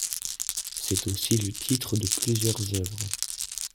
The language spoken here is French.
C'est aussi le titre de plusieurs œuvres.